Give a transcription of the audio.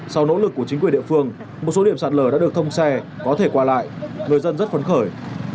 sau nỗ lực của chính quyền địa phương một số điểm sạt lở đã được thông xe có thể qua lại người dân rất phấn khởi